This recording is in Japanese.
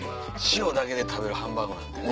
塩だけで食べるハンバーグなんて。